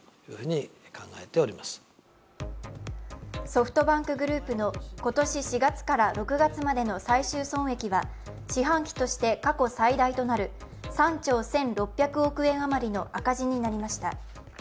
ソフトバンクグループの今年４月から６月までの最終損益は四半期として過去最大となる３兆１６００億円余りの赤字になりました。